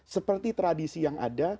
seperti tradisi yang ada